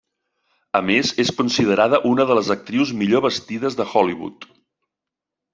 A més és considerada una de les actrius millor vestides de Hollywood.